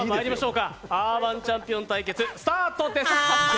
「アーバンチャンピオン」対決スタートです。